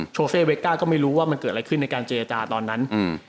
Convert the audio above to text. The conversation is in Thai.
โซเซเวกก้าก็ไม่รู้ว่ามันเกิดอะไรขึ้นในการเจรจาตอนนั้น